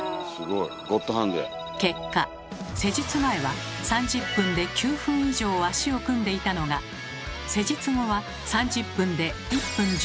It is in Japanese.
結果施術前は３０分で９分以上足を組んでたのが施術後は３０分で１分１３秒に。